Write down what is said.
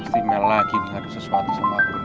pasti mel lagi nih hadu sesuatu sama aku nih